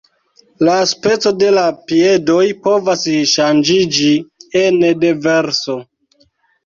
La speco de la piedoj povas ŝanĝiĝi ene de verso.